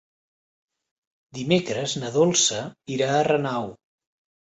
Dimecres na Dolça irà a Renau.